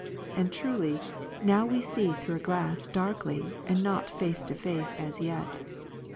And truly, noiv we see through a glass 1 Cor. darkly, not face to face as yet.